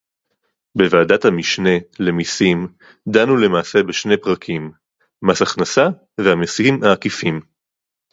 בוועדת המשנה למסים דנו למעשה בשני פרקים: מס הכנסה והמסים העקיפים